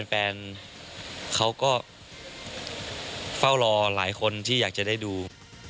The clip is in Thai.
แฟนเขาก็เฝ้ารอหลายคนที่อยากจะได้ดู